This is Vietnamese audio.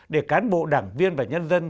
để cán bộ đảng viên và nhân dân